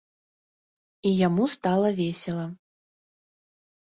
І яму стала весела.